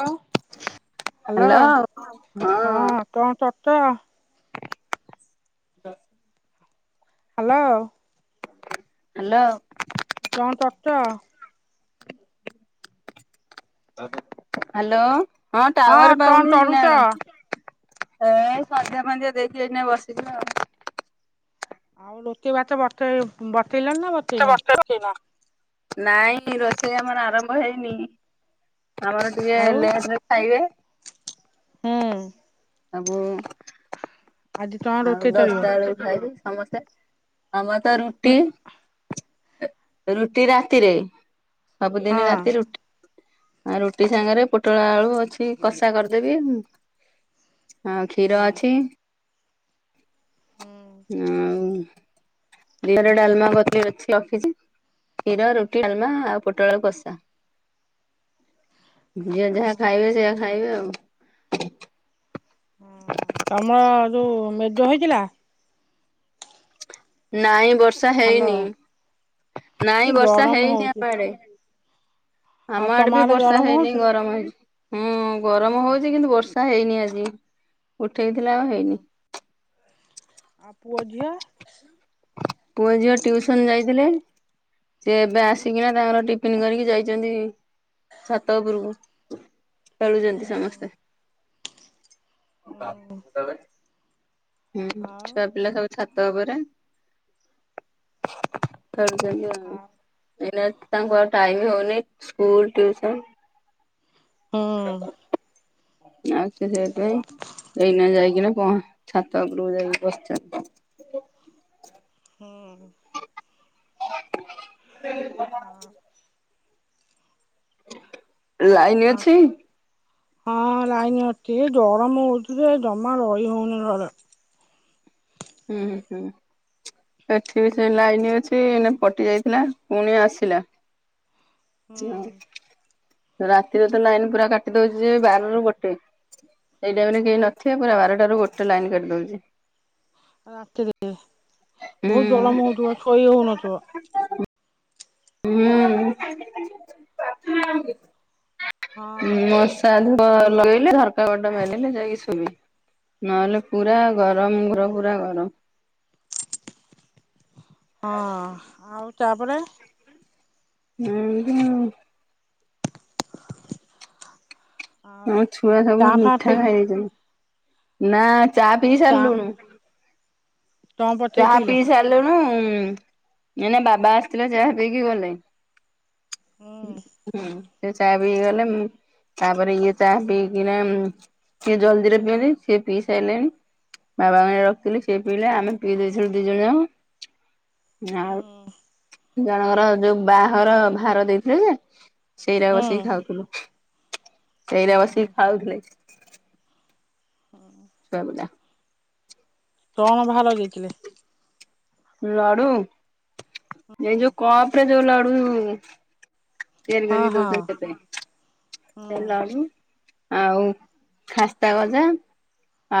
ହ hello hello ହଁ କଣ କରୁଛ? [inaudible] ହ୍ୟାଲୋ! ହ୍ୟାଲୋ! କଣ କରୁଛ? ହ୍ୟାଲୋ ହଁ ଟାୱର କଣ ପାଉନି କରୁଛ? ନିନାର ଏ ସନ୍ଧ୍ୟା ଫନ୍ଦିଆ ଦେଇକିନା ଏଇନା ବସିଛୁ ଆଉ। ଆଉ ରୋଟି ଭାତ ବତେଇ ବତେଇଲଣି ନା ବତେଇନା ନାଇଁ ରୋଷେଇ ଆମର ଆରମ୍ଭ ହେଇନି ଆମର ଟିକେ ଆଉ ଲେଟରେ ଖାଇବେ ହୁଁ ଆ ବୋଉ ଆଜି କଣ ଆଉ ରୋଷେଇ ଦଶଟା କରିବ? ବେଳକୁ ଖାଇବି ସମସ୍ତେ ଆମର ତ ମୁଁ ରୁଟି ରୁଟି ରାତିରେ ସବୁ ଦିନି ହଁ ରାତି ରୁଟି ଆଉ ରୁଟି ସାଙ୍ଗରେ ପୋଟଳ ଆଳୁ ଅଛି କଷା କରିଦେବି। ହଁ ହୁଁ କ୍ଷୀର ଅଛି। ହୁଁ ଆଉ ଦିନରେ ଡାଲମା କରିକି ରଖିଛି। କ୍ଷୀର ରୁଟି ଡାଲମା ଆଉ ପୋଟଳ କଷା। [inaudible] ଯିଏ ଯାହା ଖାଇବେ ସେଇଆ ଖାଇବେ ଆଉ। ହ ତମର ଯୋଉ ମେଜ ହେଇଥିଲା। ନାଇଁ ବର୍ଷା ହ୍ୟାଲୋ ହେଇନି କି ନାଇଁ ବର୍ଷା ଗରମ ହେଇନି ହଉଛି। ଆମ ଆଡେ। [inaudible] ଆମ ଆଡେ ବି ବର୍ଷା ଗରମ ହେଇନି ହଉଛି? ଗରମ ହେଇଛି ହୁଁ ଗରମ ହଉଛି କିନ୍ତୁ ବର୍ଷା ହେଇନି ଆଜି। ଉଠେଇଥିଲା ଆଉ ହେଇନି। ଆ ପୁଅଝିଅ। ପୁଅ ଝିଅ ଟିଉସନ ଯାଇଥିଲେ। ସିଏ ଏବେ ଆସିକିନା ତାଙ୍କର ଟିଫିନ କରିକି ଯାଇଛନ୍ତି ଛାତ ଉପରକୁ। ଖେଳୁଛନ୍ତି ସମସ୍ତେ। ହୁଁ ବାକସ ଟା କାଇଁ। ହୁଁ ଆଉ ଛୁଆ ପିଲା ସବୁ ଛାତ ଉପରେ। ଆଉ ଏଇନା ତାଙ୍କୁ ଆଉ ଟାଇମ ହଉନି ସ୍କୁଲ ଟିଉସନ। ହୁଁ ଆଛା ସେଇଠି ଏଇନା ଯାଇକିନା ପହଁ ଛାତ ଉପରକୁ ଯାଇକି ବସିଛନ୍ତି। ହୁଁ। ଆଉ [inaudible] ଲାଇନ ଅଛି। ଆଉ ହଁ ଲାଇନ ଅଛି ଗରମ ହଉଛି ଯେ ଜମା ରହି ହଉନି ଘରେ। ହୁଁ ହଁ ହୁଁ। ଏଠି ବି ସେ ଲାଇନ ଅଛି ଏଇନେ କଟି ଯାଇଥିଲା ପୁଣି ଆସିଲା। [inaudible] ରାତିରେ ତ ଲାଇନ ପୁରା କାଟି ଦଉଛି ବାର ରୁ ଗୋଟେ। ସେଇଟାଇମ ରେ କେହି ହଁ ନଥିବେ ପୁରା ବାରଟାରୁ ଗୋଟେ ଲାଇନ କଟିଦଉଛି। ହୁଁ ବହୁତ ଗରମ ହଉ ଥିବ ସୋଇ ହଉନଥିବ। ହୁଁ। ହଁ। ମଶାଲ। ଲଗେଇଲେ ଧରକା ବାଟ ମାଲେଇଲେ ଯାଇକି ଶୁଇ ବି ନହେଲେ ପୁରା ଗରମ ଘର ପୁରା ଗରମ। ହଁ ଆଉ ତାପରେ ହୁ ହୁ ଆଉ ଆମ ଛୁଆ ସବୁ ଚାହା ଫା ପି ମିଠା ଖାଇଯାଇଛନ୍ତି। ନା ଚା ପିଇ ସାରିଲୁଣୁ। ଚଁ ପକେଇ ଚାହା ପିଇଲ? ପିଇ ସାରିଲୁନୁ। ନ ନା ବାବା ଆସିଥିଲେ ଚାହା ପିଇକି ଗଲେ। ହୁଁ ସେ ଚାହା ପିଇକି ଗଲେ ମୁଁ ତାପରେ ଇଏ ଚା ପିଇକିନା ସିଏ ଜଲଦିରେ ପିଏଲି ସିଏ ପିଇ ସାଇଲେଣି। ବାବା ପାଇଁ ରଖିଥିଲି ସେ ପିଇିଲେ ଆମେ ପି ଦେଇଥିଲୁ ଦି ଜଣ ଯାକ। ଆଉ ହୁଁ ଜଣଙ୍କର ଯୋଉ ବାହାଘର ଭାର ଦେଇଥିଲେ ଯେ ସେଇରା ହୁଁ ବସିକି ଖାଉଥିଲୁ। ହୁଁ ସେଇରା ହୁଁ ବସିକି ଖାଉଥିଲେ। ଛୁଆ ପିଲା। କଣ ଭାର ଦେଇଥିଲେ? ଲଡୁ, ଏ ଯୋଉ କପରେ ଯୋଉ ଲଡୁ। ତିଆରି ହଁ କରିକି ହଁ ଦଉଚନ୍ତି ତତେ। ହୁଁ ସେ ଲଡୁ ଆଉ ଖାସ୍ତା ଗଜା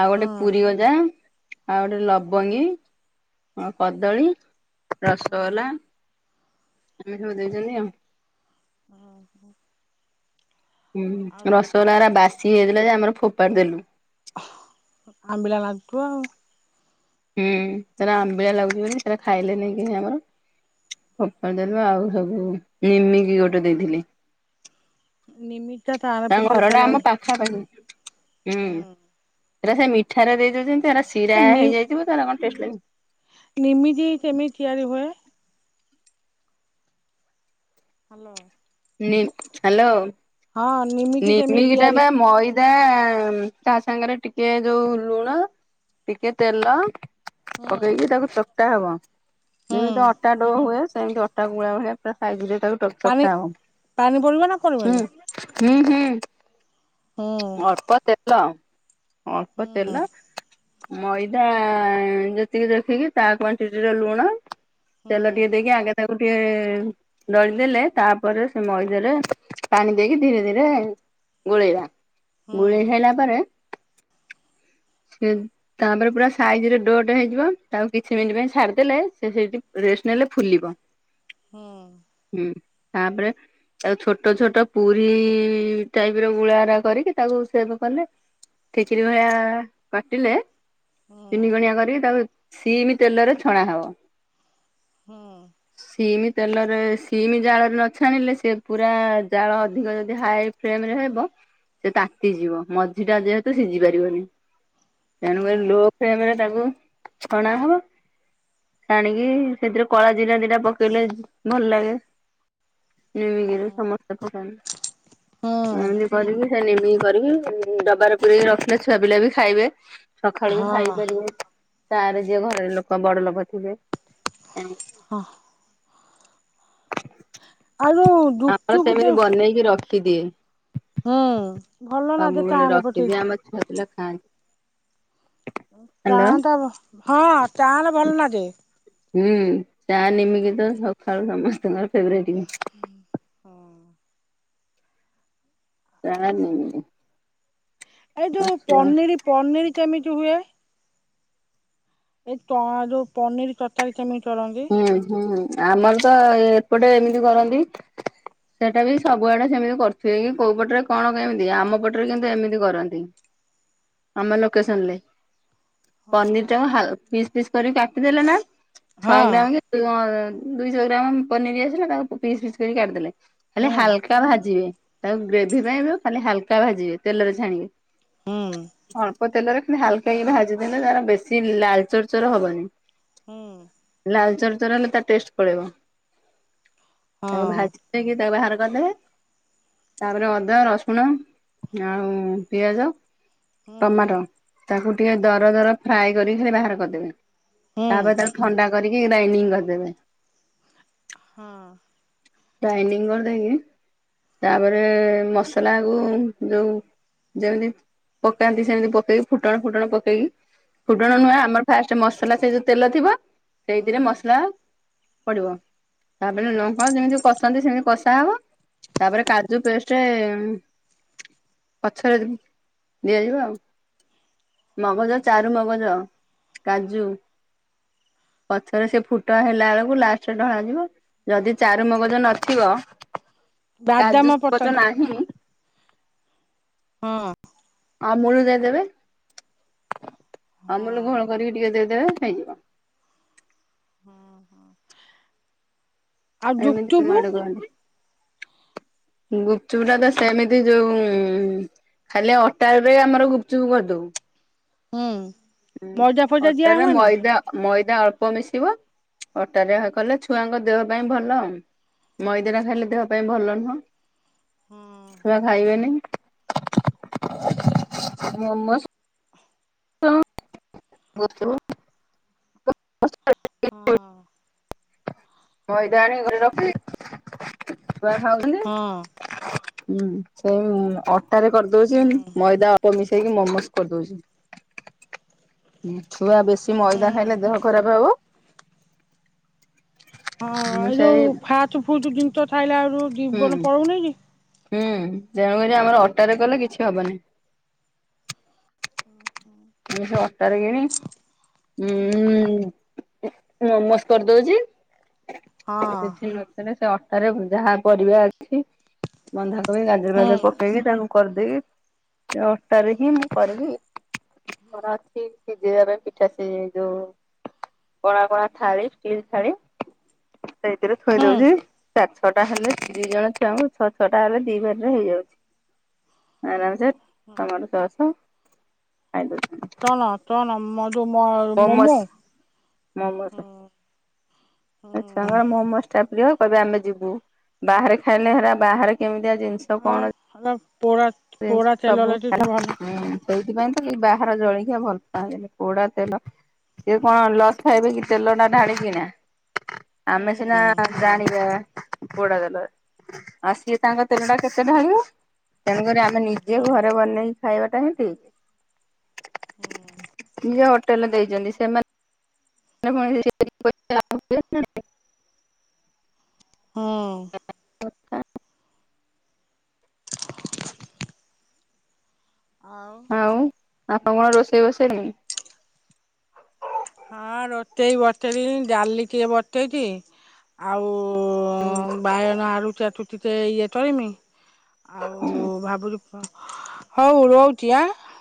ଆଉ ଗୋଟେ ହୁଁ ପୁରୀ ଗଜା। ଆଉ ଗୋଟେ ହୁଁ ଲବଙ୍ଗୀ, କଦଳୀ, ହୁଁ ରସୋଗୋଲା। ଏମିତି ସବୁ ଦେଇଛନ୍ତି ଆଉ। ଓ ହୋ। ହୁଁ ରସୋଗୋଲା ଗୁ୍ରା ବାସି ହେଇଥିଲା ଯେ ଆମର ଫୋପାଡି ଦେଲୁ। ଆମ୍ବିଳା ଲାଗୁଥିବ ଆଉ। ହୁଁ ସେରା ଆମ୍ବିଳା ଲାଗୁଛି ବୋଲି ସେରା ଖାଇଲେନି କେହି ଆମର। ଫୋପାଡ଼ି ଦେଲୁ ଆଉ ହେଠୁ ନିମିକି ଗୋଟେ ଦେଇଥିଲେ। ନିମିକି ତା ଆର ତାଙ୍କ ପଟକୁ। ଘର ଟା ଆମ [unintelligible] ପାଖାପାଖି। ହୁଁ ହେରା ସେ ମିଠାରେ ଦେଇ ଦେଇଦଉଛନ୍ତି। ସେରା ଏ ଶିରା ନି ହେଇଯାଇଚି ବୋଧେ। [unintelligible] ନିମିକି କେମିତି ତିଆରି ହୁଏ? ହାଲୋ। ନି, ହାଲୋ ହଁ ନିମିକି କେମିତି ନିମିକିଟା ତିଆରି ବା ମଇ ତା ସାଙ୍ଗରେ ଟିକେ ଯୋଉ ଲୁଣ ଟିକେ ତେଲ ହୁଁ ପକେଇକି ତାକୁ ଚକଟା ହବ। ଯେମିତି ହୁଁ। ଅଟା ଡୋ ହୁଏ। ସେମିତି ଅଟା ଗୁଳା ଭଳିଆ ପୁରା ସାଇଜ ରେ ତାକୁ ପାଣି ଚକଟା ହବ। ପାଣି ପଡିବ ନା ହୁଁ ପଡ଼ିବନି? ହୁଁ ହଁ ହଁ ହୁଁ ଅଳ୍ପ ତେଲ। ଅଳ୍ପ ତେଲ ମଇଦା ଯେତିକି ଦେଖିକି ତା କ୍ଵାଣ୍ଟିର ଲୁଣ। ତେଲ ଟିକେ ଦେଇକି ଆଗେ ତାକୁ ଟିକେ ଦଳିଦେଲେ ତାପରେ ସେ ମଇଦାରେ ପାଣି ଦେଇକି ଧୀରେ ଧୀରେ ଗୋଳେଇବା। ଗୋଳେଇ ସାରିଲା ପରେ [inaudible] ସେ ତାପରେ ପୁରା ସାଇଜ ରେ ଡୋ ହେଇଯିବ। ତାକୁ କିଛି ମିନିଟ ପାଇଁ ଛାଡିଦେଲେ ସେ ସେଠି ରେଷ୍ଟ ନେଲେ ଫୁଲିବ। ହୁଁ। ହୁଁ ତାପରେ ତାକୁ ଛୋଟ ଛୋଟ ପୁରୀ ଟାଇପ ର ଗୁଳା ଗୁରା କରିକି ତାକୁ ସେବ କଲେ ଖିଚିଡି ଭଳିଆ କାଟିଲେ ତିନି କଣିଆ କରିକି ତାକୁ ସିମ୍ ତେଲରେ ଛଣା ହବ। ସିମ୍ ତେଲରେ ସିମ୍ ଜାଳରେ ନ ଛାଣିଲେ ସେ ପୁରା ଜାଳ ଅଧିକ ଯଦି ହାଇ ଫ୍ଲେମ ରେ ହେବ ସେ ତାତି ଯିବ। ମଝି ଟା ଯେହେତୁ ସିଝି ପାରିବନି। ତେଣୁକରି ଲୋ ଫ୍ଲେମ୍ ରେ ତାକୁ ଛଣା ହବ। ଆଣିକି ସେଥିରେ କଳା ଜିରା ଦିଟା ପକେଇଲେ ଭଲ ଲାଗେ। ନିମିକି ରେ ସମସ୍ତେ ପକାନ୍ତି। ନିମିକି କରିକି ଡବାରେ ପୁରେଇକି ରଖିଲେ ଛୁଆ ପିଲା ବି ଖାଇବେ। ସକାଳୁ ବି ଖାଇପାରିବେ। ଚା ରେ ଯିଏ ଘର ଲୋକ ବଡ ଲୋକ ଥିବେ। [unintelligible] ଆଉ ଯୋଉ ଆମର ଗୁପଚୁପ ଟେ ସେମିତି ବନେଇକି ରଖିଦିଏ। ଭଲ ନାଗେ ସବୁବେଳେ ଟାଣ ରଖିଦିଏ ପକେଇକି ଆମ ଛୁଆ ପିଲା ଖାଆନ୍ତି। ଚା ହ୍ୟାଲୋ ଟା ହଁ ଚା ରେ ଭଲ ଲାଗେ ହୁଁ ଚା ନିମିକି ତ ସକାଳୁ ସମସ୍ତଙ୍କର ଫେବରେଟ ହୁଁ। ଚା ଏଇ ଯୋଉ ଆଛା ପନିର ପନିର କେମିତି ହୁଏ? ଏଇ ତ ଯୋଉ ପନିର ତରକାରୀ କେମିତି କରନ୍ତି? ହୁଁ ହୁଁ ଆମର ତ ଏପଟେ ଏମିତି କରନ୍ତି ସେଟା ବି ସବୁଆଡେ ସେମିତି କରୁଥିବେ କି କୋଉ ପଟରେ କଣ କେମିତି ଆମ ପଟରେ କିନ୍ତୁ ଏମିତି କରନ୍ତି। ଆମ ଲୋକେସନ ଲେ ପନିର ଟା ପିସ୍ ପିସ୍ କରିକି କାଟିଦେଲେ ନା? ଶହେ ଗ୍ରାମ କି ଅ ଦୁଇଶହ ଗ୍ରାମ ପନିର ଆସିଲା ତାକୁ ପିସ୍ ପିସ୍ କରିକି କା଼ଟିଦେଲେ ହେଲେ ହାଲକା ଭାଜିବେ ତାକୁ ଗ୍ରେଭି ପାଇଁ ଖାଲି ହାଲକା ଭାଜିବେ ତେଲରେ ଛାଣିବେ ଅଳ୍ପ ତେଲରେ କି ହାଲକାକି ଭାଜିଦେଲେ ତାର ବେଶୀ ଲାଲ ଚରଚର ହବନି ହୁଁ। ଲାଲ ଚରଚର ହେଲେ ତା ଟେଷ୍ଟ ପଳେଇବ ତାକୁ ଭାଜିଦେଇକି ତାକୁ ବାହାର କରିଦେବେ ତାପରେ ଅଦା ରସୁଣ ଆଉ ପିଆଜ ଟମାଟୋ ତାକୁ ଟିକେ ଦର ଦର ଫ୍ରାଏ କରିକି ଖାଲି ବାହାର କରିଦେବେ ତାପରେ ତା ଥଣ୍ଡା କରିକି ଗ୍ରାଇଣ୍ଡିଙ୍ଗ କରିଦେବେ ହଁ। ଗ୍ରାଇଣ୍ଡିଙ୍ଗ କରିଦେଇକି ତାପରେ ମସଲା କୁ ଯୋଉ ଯେମିତି ପକାନ୍ତି ସେମିତି ପକେଇକି ଫୁଟଣ ଫୁଟଣ ପକେଇକି ଫୁଟଣ ନୁହେଁ ଆମର ଫାଷ୍ଟ ମସଲା ସେ ଯୋ ତେଲ ଥିବ ସେଇଥିରେ ମସଲା ପଡିବ ତାପରେ ନ କଣ ଯେମିତି ଲ ଛନ୍ତି ସେମିତି କଷା ହବ ତାପରେ କାଜୁ ପେଷ୍ଟରେ ପଛରେ ଦିଆଯିବ ଆଉ। ମଗଜ ଚାରୁ ମଗଜ କାଜୁ ପଛରେ ସେ ଫୁଟ ହେଲା ବେଳକୁ ଲାଷ୍ଟରେ ଢଳା ଯିବ ଯଦି ଚାରୁ ମଗଜ ନଥିବ ବାଦାମ କାଜୁ ସପୋଜ ପଡିଛନ୍ତି ନାହିଁ। ହଁ। ଆମୁଲ ଦେଇଦେବେ ହଁ ଆମୁଲ ଘୋଳ କରିକି ଟିକେ ଦେଇଦେବେ ହେଇଯିବ ଆଉ ଏମିତି ଆମ ଗୁପଚୁପୁ ଆଡ଼େ କରନ୍ତି ଗୁପଚୁପଟା ତ ସେମିତି ଯୋଉ ଖାଲି ଅଟା ରେ ଆମର ଗୁପଚୁପ କରିଦଉ ହୁଁ। ହୁଁ ମଇଦା ଫଇଦା ଦିଆ ଅଟାରେ ହୁଏନି? ମଇଦା ମଇ ଦା ଅଳ୍ପ ମିଶିବ ଅଟାରେ କଲେ ଛୁଆଙ୍କ ଦେହ ପାଇଁ ଭଲ ଆ ମଇଦା ଟା ଖାଇଲେ ଦେହ ପାଇଁ ଭଲ ନୁହଁ। ହଁ ଛୁଆ ଖାଇବେନି ମୁ ଗୁପଚୁପୁ ହଁ। ମଇଦା ଆଣି କରି ରଖି ଛୁଆ ଖାଉଛନ୍ତି। ହଁ ହୁଁ ସେଇ ଅଟା ରେ କରିଦଉଛି ହୁଁ ମଇଦା ଅଳ୍ପ ମିଶେଇକି ମୋମୋଜ କରିଦଉଛି ଛୁଆ ବେଶି ମଇଦା ହୁଁ ଖାଇଲେ ଦେହ ଖରାପ ହବ। ହଁ, ମୁଁ ଏଇ ସେଇ ଯୋଉ ଫାଛ୍ ଫୁଛ୍ ଜିନିଛ ଥାଇଲା ରୁ ହୁଁ ଜୀବନ ପଳଉନାଇଁ କି! ହୁଁ, ତେଣୁକରି ଆମର ଅଟାରେ କଲେ କିଛି ହବନି। ଆମେ ସେ ଅଟାରେ କିଣି ହୁଁ, ଉଁ, ମୋମୋସ୍ କରି ଦଉଛି। ହଁ କିଛି ନଥିଲେ, ସେ ଅଟାରେ ଯାହା ପରିବା ଅଛି। ବନ୍ଧା ଗାଜର ଫାଜର ହୁଁ ପକେଇକି, ତାକୁ କରିଦେଇକି ଅଟାରେ ହିଁ ମୁଁ କରିବି। ହିଟର ଅଛି, ସିଝେଇବା ପାଇଁ ପିଠା ସିଝେଇ ଦଉ । କଳା କଳା ଥାଳିି, ଷ୍ଟିଲ ଥାଳି ସେଇଥିରେ ଥୋଇ ହୁଁ ଦଉଛି। ଚାରି ଛଅଟା ହେଲେ ଦି ଜଣ ଛୁଆଙ୍କୁ ଛଅ ଛଅଟା ହେଲେ ଦି ଭାରିରେ ହେଇ ହେଇ ଆଉଛି। ଅରାମସେ ଟମାଟ ସସ ଏ ତଣ ତଣ ମ ମମସ୍! ମମସ ହୁଁ ଆ ହୁଁ ଛୁଆଙ୍କର ମମୋସ୍ ଟା ଯଦି ହବ କହିବେ ଆମେ ଯିବୁ। ବାହାରେ ଖାଇଲେ ହେରା ବାହାରେ କେମିତିଆ ହଁ, ହାଲୋ! ମିନ୍ସ ସବୁ ହେଲା। ହୁଁ। ସେଇଥିପାଇଁ ତ କି ବାହାର ଜଳଖିଆ ଭଲ ପାଆନ୍ତିନି। ପୋଡ଼ା ତେଲ ସେ କଣ ଲସ୍ ଖାଇବେ କି! ତେଲ ଟା ଢାଳିକିନା। ଆମେ ସିନା ହୁଁ ଜାଣିବା ପୋଡା ତେଲରେ, ଆଉ ସିଏ ତାଙ୍କ ତେଲଟା କେତେ ଢାଳିବେ? ତେଣୁକରି ଆମେ ନେ, ନିଜେ ସେଇଆ। ଘରେ ବନେଇକି ଖାଇବା ଟା ହିଁ ଠିକ୍। ହୁଁ। ଇଏ ହୋଟେଲେ ଦେଇଛନ୍ତି। ସେମାନେ [inaudible] ଉଁ। ତତ୍କା ଉ [unintelligible] ଆଉ, ଆପଣ କଣ ରୋଷେଇ ବସେଇଲେଣି? ହଁ, ରୋଟେଇ ବଟେଇ ଦେଇଚନି, ଡାଲି ଟିଏ ବଟେଇଚିଁ । ଆଉ-ଉଁ ବାଇଗଣ ଆଳୁ ଚାଟୁ ଚି ଚେ ଇଏ ଟଳିମି। ଆଉ, ଭାବୁଛୁ ଫ ହଉ ରହୁଛି ଆଁ ।